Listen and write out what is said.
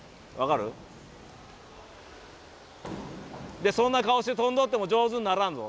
でそんな顔して飛んどっても上手にならんぞ。